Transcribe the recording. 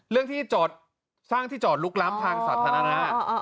เรื่องที่จอดสร้างที่จอดลุกล้ำทางสาธารณะ